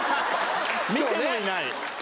見てもいない